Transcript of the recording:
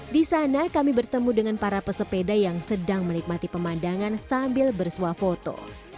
di sana kami bertemu dengan para pesepeda yang sedang menikmati pemandangan sambil bersuah foto